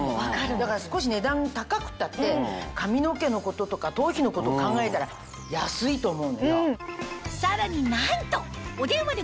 だから少し値段高くったって髪の毛のこととか頭皮のこと考えたら安いと思う。